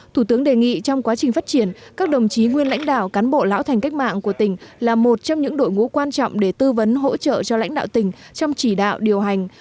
thủ tướng đề nghị trong quá trình phát triển các đồng chí nguyên lãnh đạo cán bộ lão thành cách mạng của tỉnh là một trong những đội ngũ quan trọng để tư vấn hỗ trợ cho lãnh đạo tỉnh trong chỉ đạo điều hành